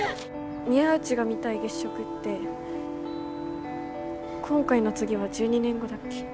宮内が見たい月食って今回の次は１２年後だっけ？